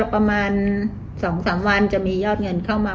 ประมาณ๒๓วันจะมียอดเงินเข้ามา